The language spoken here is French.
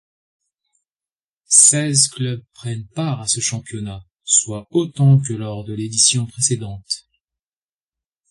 Seize clubs prennent part à ce championnat, soit autant que lors de l'édition précédente.